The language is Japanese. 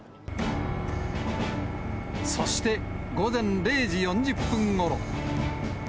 そして、午前０時４０分ごろ。